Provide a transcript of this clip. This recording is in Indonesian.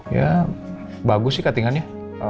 ya bagus sih ketinggannya